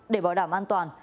để bảo đảm an toàn